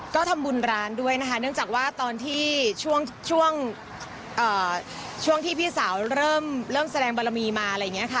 ก็ทำบุญร้านด้วยนะคะเนื่องจากว่าตอนที่ช่วงที่พี่สาวเริ่มแสดงบารมีมาอะไรอย่างนี้ค่ะ